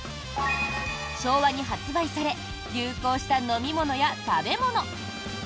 昭和に発売され、流行した飲み物や食べ物。